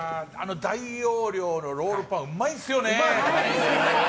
大容量のロールパンうまいんですよね。